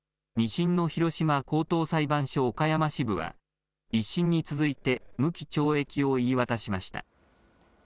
２審の広島高等裁判所岡山支部は、１審に続いて無期懲役を言い渡しました。